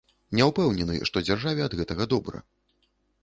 Не ўпэўнены, што дзяржаве ад гэтага добра.